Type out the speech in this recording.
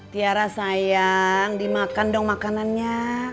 tiara sayang dimakan dong makanannya